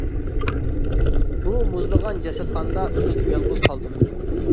بۇ مۇزلىغان جەسەتخانىدا ئۆزۈم يالغۇز قالدىم.